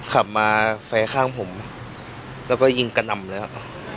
ขับมาแฟ้ข้างผมแล้วก็ยิงกระดำเลยอ่ะ